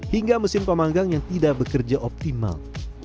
hingga mesin pemanggang yang tidak bekerja optimal